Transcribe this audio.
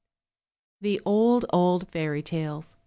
284 OLD, OLD FAIRY TALES.